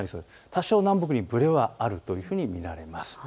多少南北にぶれはあるというふうに見られます。